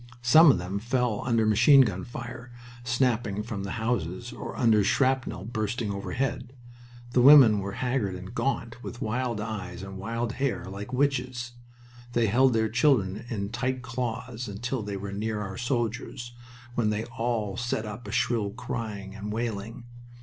Some of them fell under machine gun fire snapping from the houses or under shrapnel bursting overhead. The women were haggard and gaunt, with wild eyes and wild hair, like witches. They held their children in tight claws until they were near our soldiers, when they all set up a shrill crying and wailing.